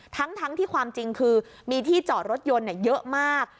ทั้งที่ความจริงคือมีที่จอดรถยนต์เยอะมาก